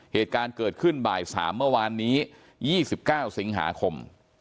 เหตุการณ์เกิดขึ้นบ่าย๓เมื่อวานนี้๒๙สิงหาคม